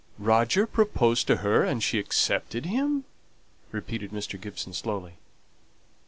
Roger proposed to her, and she accepted him?" repeated Mr. Gibson, slowly.